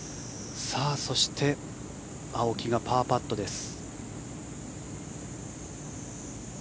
そして青木がパーパットです。